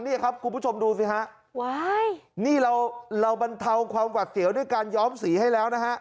นี่ครับคุณผู้ชมดูสิฮะนี่เราเราบรรเทาความหวัดเสียวด้วยการย้อมสีให้แล้วนะฮะ